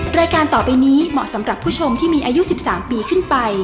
รายการต่อไปนี้เหมาะสำหรับผู้ชมที่มีอายุ๑๓ปีขึ้นไป